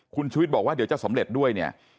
คุณชูวิทย์บอกว่าเดี๋ยวจะสำเร็จด้วย